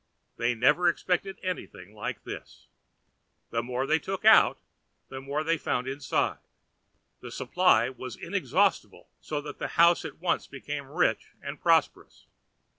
They never expected anything like this. The more they took out, the more they found inside. The supply was inexhaustible, so that the house at once became rich and prosperous.